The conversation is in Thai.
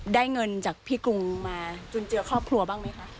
ได้เงินจากพี่กรุงมาจุนเจือครอบครัวบ้างไหมคะ